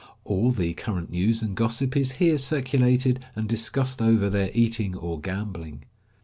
All the current news and gossip is here circulated and discussed over their eating or gambling.